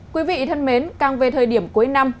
quý vị thân mến càng về thời điểm cuối năm